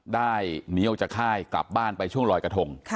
ได้เหนียวจากค่ายกลับบ้านไปช่วงลอยกระทง